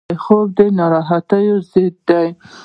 خوب د ناراحتیو ضد دی